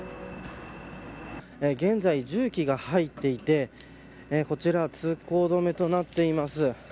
現在、重機が入っていてこちら通行止めとなっています。